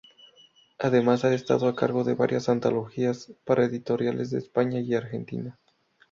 Además, ha estado a cargo de varias antologías para editoriales de España y Argentina.